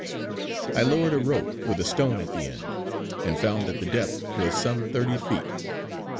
I lowered a rope with a stone at the end, and found that the depth was some thirty feet.